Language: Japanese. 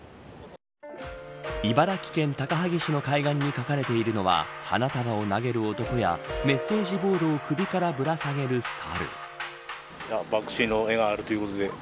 茨城県高萩市の海岸に描かれているのは花束を掲げる男やメッセージボードを首からぶら下げる猿。